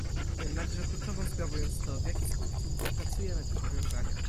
Jednakże kluczową sprawą jest to, w jaki sposób wypracujemy te powiązania